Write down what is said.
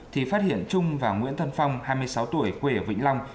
thì phát hiện trung và nguyễn tân phong hai mươi sáu tuổi quê ở vĩnh long